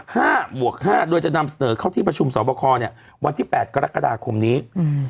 หวกห้าโดยจะนำเสนอเข้าที่ประชุมสอบคอเนี้ยวันที่แปดกรกฎาคมนี้อืม